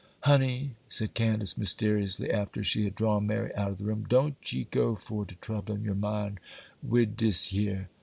'Honey,' said Candace, mysteriously, after she had drawn Mary out of the room, 'don't ye go for to troublin' yer mind wid dis yer.